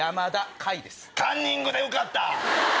カンニングで受かった！